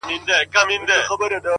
• ته مي يو ځلي گلي ياد ته راوړه؛